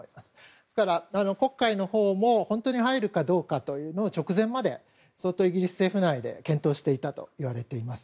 ですから、黒海のほうも本当に入るかどうかというのを直前まで相当イギリス政府内で検討していたといわれています。